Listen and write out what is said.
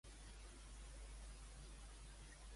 A qui va prendre el relleu a governant?